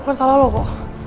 bukan salah lo kok